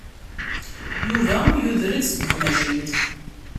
Yuba yuder-d seg tmacint.